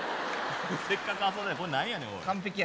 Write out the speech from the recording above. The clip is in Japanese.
せっかく遊んでるのにこれ何やねん。完璧やね。